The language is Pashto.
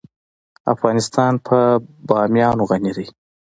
افغانستان په بامیان غني دی.